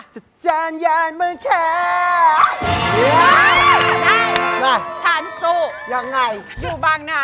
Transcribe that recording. จัดจ้านย่านบางนะ